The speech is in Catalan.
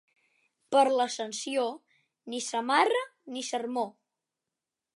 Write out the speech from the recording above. Per l'Ascensió, ni samarra ni sermó.